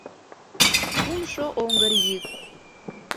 Кумшо оҥгыр йӱк...